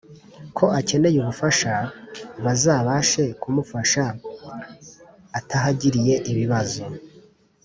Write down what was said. ko akeneye ubufasha bazabashe kumufasha atahagiriye ibibazo.